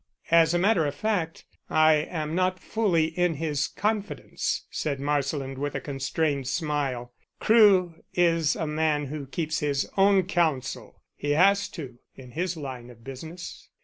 "As a matter of fact, I am not fully in his confidence," said Marsland with a constrained smile. "Crewe is a man who keeps his own counsel. He has to, in his line of business."